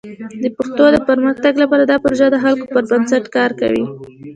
د پښتو د پرمختګ لپاره دا پروژه د خلکو پر بنسټ کار کوي.